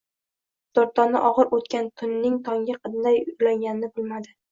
Durdona og`ir o`tgan tunning tongga qanday ulanganini bilmadi